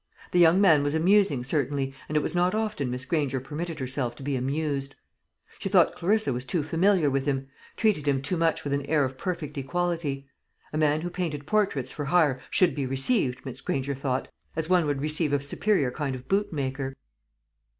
The young man was amusing, certainly, and it was not often Miss Granger permitted herself to be amused. She thought Clarissa was too familiar with him, treated him too much with an air of perfect equality. A man who painted portraits for hire should be received, Miss Granger thought, as one would receive a superior kind of bootmaker.